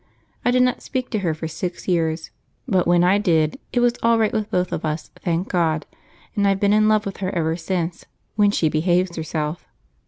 I did not speak to her for six years, but when I did, it was all right with both of us, thank God! and I've been in love with her ever since, when she behaves herself!"